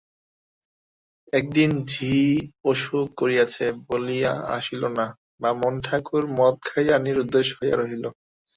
একদিন ঝি অসুখ করিয়াছে বলিয়া আসিল না, বামুনঠাকুর মদ খাইয়া নিরুদ্দেশ হইয়া রহিল।